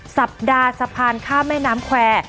สัปดาห์สะพานข้ามแม่น้ำแควร์